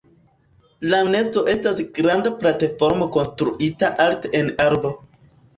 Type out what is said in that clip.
La nesto estas granda platformo konstruita alte en arbo.